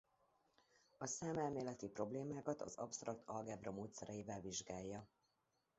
A számelméleti problémákat az absztrakt algebra módszereivel vizsgálja.